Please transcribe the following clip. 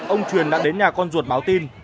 ông truyền đã đến nhà con ruột báo tin